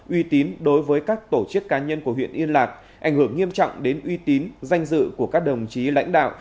uy tín đối với các tổ chức cá nhân của huyện yên lạc ảnh hưởng nghiêm trọng đến uy tín danh dự của các đồng chí lãnh đạo